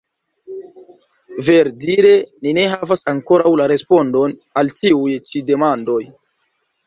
Ver-dire ni ne havas ankoraŭ la respondon al tiuj ĉi demandoj.